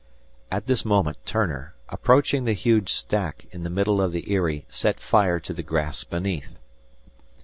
At this moment Turner, approaching the huge stack in the middle of the eyrie, set fire to the grass beneath.